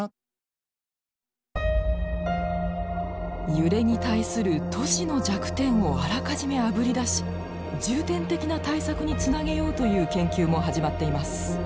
揺れに対する都市の弱点をあらかじめあぶり出し重点的な対策につなげようという研究も始まっています。